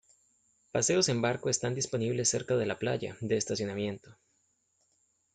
Paseos en barco están disponibles cerca de la playa de estacionamiento.